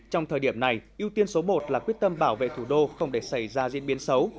trong thời điểm này ưu tiên số một là quyết tâm bảo vệ thủ đô không để xảy ra diễn biến xấu